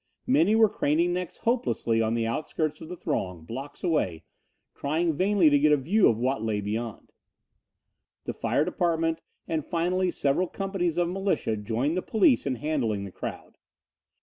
Many were craning necks hopelessly on the outskirts of the throng, blocks away, trying vainly to get a view of what lay beyond. The fire department and finally several companies of militia joined the police in handling the crowd.